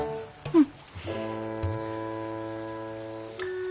うん。